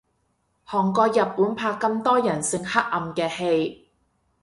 韓國日本拍咁多人性黑暗嘅戲